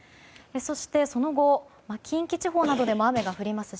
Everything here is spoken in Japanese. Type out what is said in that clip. そして、その後近畿地方などでも雨が降ります